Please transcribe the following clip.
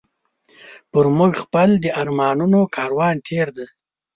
پر موږ خپل د ارمانونو کاروان تېر دی